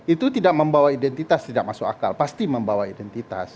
itu tidak membawa identitas tidak masuk akal pasti membawa identitas